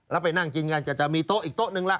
แล้วไปนั่งกินกันก็จะมีโต๊ะอีกโต๊ะนึงละ